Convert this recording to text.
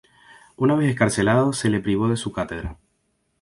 Una vez excarcelado se le privó de su cátedra.